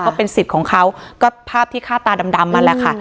ก็เป็นสิทธิ์ของเขาก็ภาพที่ฆ่าตาดำนั่นแหละค่ะ